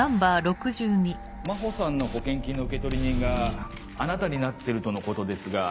真帆さんの保険金の受取人があなたになってるとのことですが。